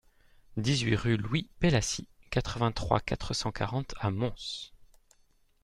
dix-huit rue Louis Pélassy, quatre-vingt-trois, quatre cent quarante à Mons